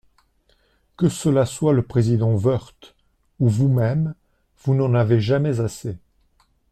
Que cela soit le président Woerth ou vous-même, vous n’en avez jamais assez.